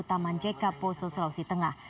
taman cekaposo sulawesi tengah